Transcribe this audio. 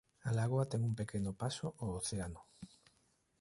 A lagoa ten un pequeno paso ao océano.